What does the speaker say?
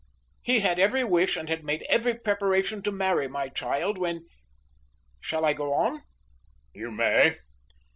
He had every wish and had made every preparation to marry my child, when Shall I go on?" "You may."